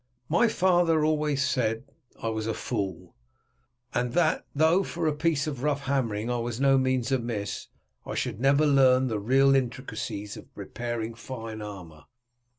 My father always said I was a fool, and that, though for a piece of rough hammering I was by no means amiss, I should never learn the real intricacies of repairing fine armour.